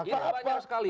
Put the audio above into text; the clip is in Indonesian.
ini banyak sekali